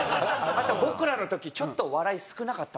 あと僕らの時ちょっと笑い少なかったな。